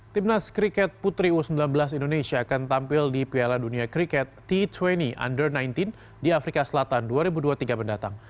timnas kriket putri u sembilan belas indonesia akan tampil di piala dunia kriket t dua puluh under sembilan belas di afrika selatan dua ribu dua puluh tiga mendatang